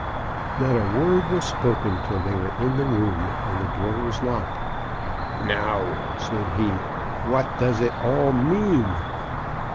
Not a word was spoken till they were in the room and the door was locked. *'Now," said he, '* what does it all mean?